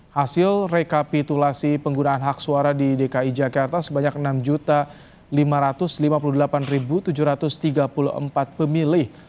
hasil rekapitulasi penggunaan hak suara di dki jakarta sebanyak enam lima ratus lima puluh delapan tujuh ratus tiga puluh empat pemilih